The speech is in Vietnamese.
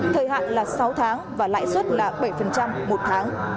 thời hạn là sáu tháng và lãi suất là bảy một tháng